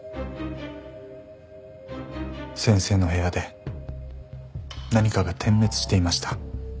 先生の部屋で何かが点滅していました。